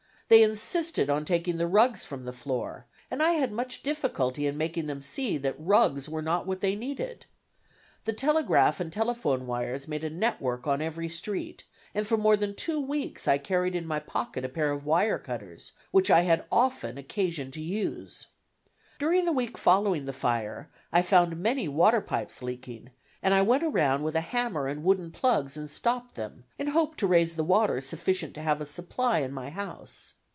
They insisted on taking the rugs from the floor, and I had much difficulty in making them see that rugs were not what they needed. The telegraph and telephone wires made a network on every street, and for more than two weeks I carried in my pocket a pair of wire cutters, which I had often occasion to use. During the week following the fire, I found many water pipes leaking, and I went around with a hammer and wooden plugs and stopped them, in hope to raise the water sufficient to have a supply in my house.